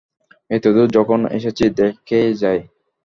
এতদূর যখন এসেছি দেখেই যাই।